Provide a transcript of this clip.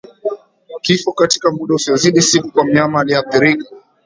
Kifo katika muda usiozidi siku kwa mnyama aliyeathirika